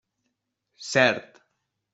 Cert.